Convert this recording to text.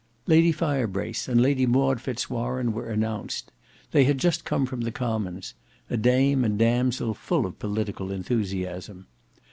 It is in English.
Lady Firebrace and Lady Maud Fitz Warene were announced: they had just come from the Commons; a dame and damsel full of political enthusiasm.